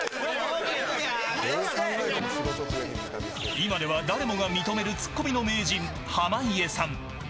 今では誰もが認めるツッコミの名人、濱家さん。